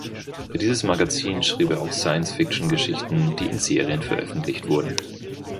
Für dieses Magazin schrieb er auch Science-Fiction-Geschichten, die in Serien veröffentlicht wurden.